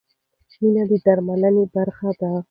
مینه د درملنې برخه ده.